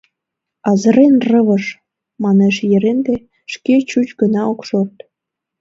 — Азырен рывыж! — манеш Еренте, шке чуч гына ок шорт.